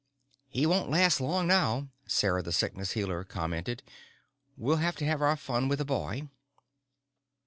"He won't last long now," Sarah the Sickness Healer commented. "We'll have to have our fun with the boy."